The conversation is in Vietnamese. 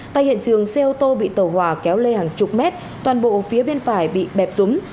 tại hiện trường xe ô tô bị tàu hỏa kéo lê hàng chục mét toàn bộ phía bên phải bị bẹp rúng